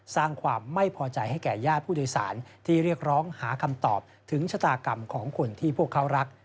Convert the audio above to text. สร้างความไม่พอใจให้แก่ญาติผู้โดยสารที่เรียกร้องหาคำตอบถึงชะตากรรมของคนที่พวกเขารัก